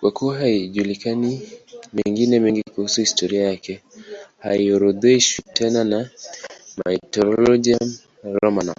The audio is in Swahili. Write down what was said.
Kwa kuwa hayajulikani mengine mengi kuhusu historia yake, haorodheshwi tena na Martyrologium Romanum.